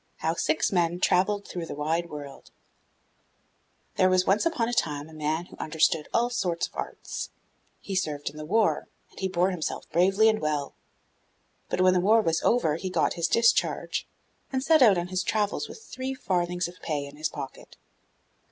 HOW SIX MEN TRAVELLED THROUGH THE WIDE WORLD There was once upon a time a man who understood all sorts of arts; he served in the war, and bore himself bravely and well; but when the war was over, he got his discharge, and set out on his travels with three farthings of his pay in his pocket.